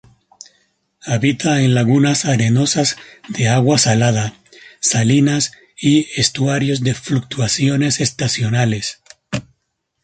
Habita en lagunas arenosas de agua salada, salinas y estuarios de fluctuaciones estacionales.